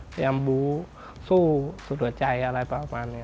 พยายามบูสู้สุดหัวใจอะไรประมาณนี้